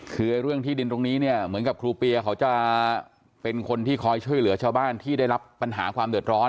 คือเรื่องที่ดินตรงนี้เนี่ยเหมือนกับครูเปียเขาจะเป็นคนที่คอยช่วยเหลือชาวบ้านที่ได้รับปัญหาความเดือดร้อน